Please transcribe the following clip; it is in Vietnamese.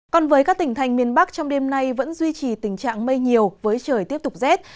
còn với các tỉnh thành miền bắc trong đêm nay vẫn duy trì tình trạng mây nhiều với trời tiếp tục rét